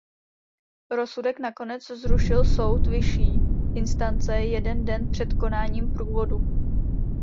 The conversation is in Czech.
Rozsudek nakonec zrušil soud vyšší instance jeden den před konáním průvodu.